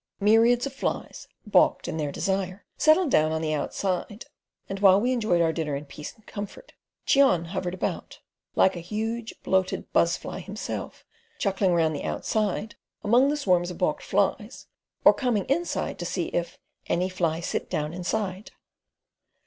Myriads of flies, balked in their desire, settled down on the outside, and while we enjoyed our dinner in peace and comfort, Cheon hovered about, like a huge bloated buzz fly himself, chuckling around the outside among the swarms of balked flies, or coming inside to see if "any fly sit down inside."